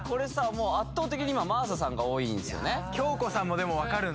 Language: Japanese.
もう圧倒的に今真麻さんが多いんすよね